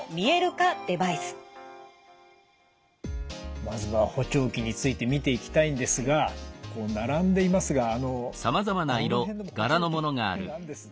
まずは補聴器について見ていきたいんですがこう並んでいますがあのこの辺でも補聴器なんですね。